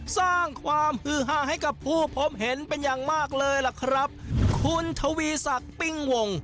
สร้างความฮือหาให้กับผู้พบเห็นเป็นอย่างมากเลยล่ะครับคุณทวีศักดิ์ปิ้งวง